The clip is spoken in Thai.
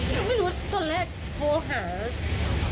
มันแบบไม่รู้ว่าตอนแรกโทรหา